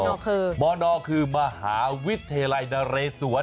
มนคือมนคือมหาวิทยาลัยนรสวรรค์